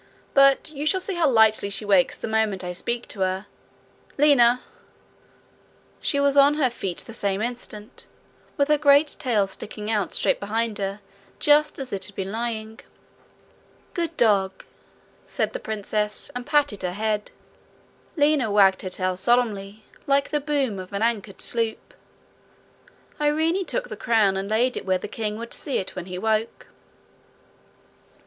But you shall see how lightly she wakes the moment I speak to her. Lina!' She was on her feet the same instant, with her great tail sticking out straight behind her, just as it had been lying. 'Good dog!' said the princess, and patted her head. Lina wagged her tail solemnly, like the boom of an anchored sloop. Irene took the crown, and laid it where the king would see it when he woke.